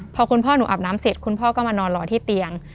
พอคุณพ่อหนูอาบน้ำเสร็จคุณพ่อก็มานอนรอที่เตียง